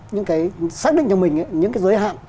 những cái xác định cho mình những cái giới hạn